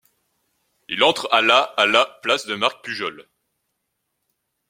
Il entre à la à la place de Marc Pujol.